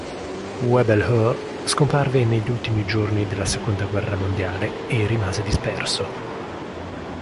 Uebelhoer scomparve negli ultimi giorni della seconda guerra mondiale e rimase disperso.